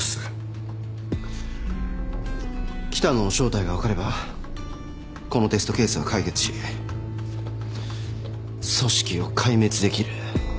喜多野の正体が分かればこのテストケースは解決し組織を壊滅できる。